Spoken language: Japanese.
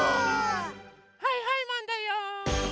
はいはいマンだよ！